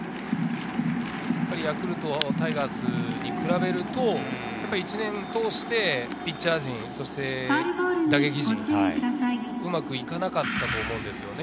ヤクルト、タイガースに比べると、１年を通してピッチャー陣、そして打撃陣、うまくいかなかったと思うんですよね。